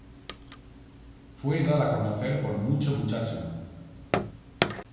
Fue dada a conocer por Mucho Muchacho.